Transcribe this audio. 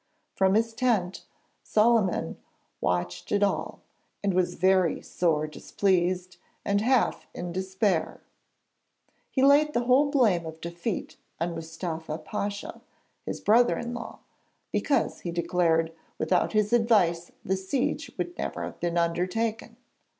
From his tent Solyman had watched it all, and 'was very sore displeased, and half in despair.' He laid the whole blame of defeat on Mustafa Pasha, his brother in law, because, he declared, without his advice the siege would never have been undertaken.